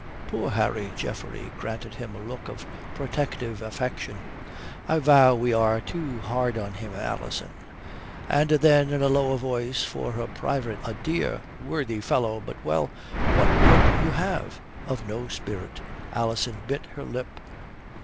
"Poor Harry!" Geoffrey granted him a look of protective affection. "I vow we are too hard on him, Alison." And then in a lower voice for her private ear. "A dear, worthy fellow, but well, what would you have? of no spirit." Alison bit her lip.